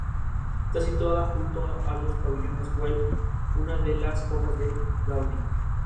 Aunque ideado originalmente como prenda de trabajo, es bastante popular su uso en niños.